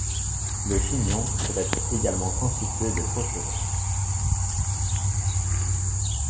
Le chignon peut être également constitué de faux cheveux.